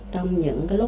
trong những lúc hoàn toàn